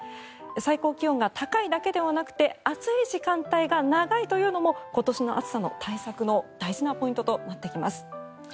最高気温が高いだけではなくて暑い時間帯が長いというのも今年の暑さの対策の大事なポイントとなってきます。